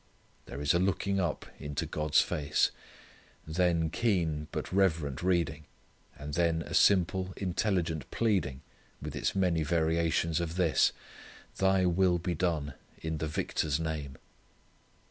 There is a looking up into God's face; then keen but reverent reading, and then a simple intelligent pleading with its many variations of this "Thy will be done, in the Victor's name."